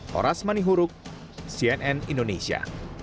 horas manihuruk cnn indonesia